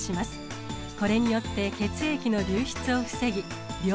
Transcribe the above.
これによって血液の流出を防ぎ病